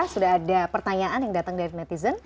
sudah ada pertanyaan yang datang dari netizen